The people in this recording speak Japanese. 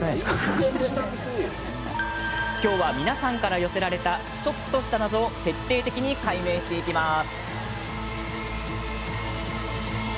今日は皆さんから寄せられたちょっとした謎を徹底的に解明していきます。